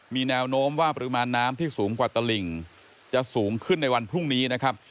มีแนวโน้มว่าปริมาณน้ำที่สูงกว่าตลิ่งจะสูงขึ้นในวันพรุ่งนี้นะครับ